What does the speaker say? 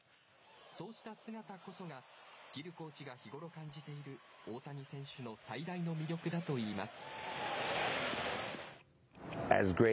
そうした姿こそが、ギルコーチが日頃感じている大谷選手の最大の魅力だといいます。